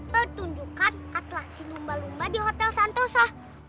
petunjukkan atlaksi lumba lumba di hotel santosa